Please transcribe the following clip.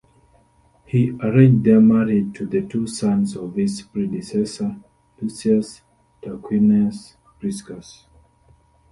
He arranged their marriage to the two sons of his predecessor, Lucius Tarquinius Priscus.